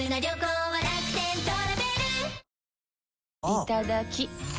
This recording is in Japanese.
いただきっ！